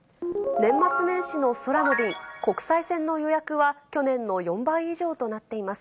年末年始の空の便、国際線の予約は、去年と４倍以上となっています。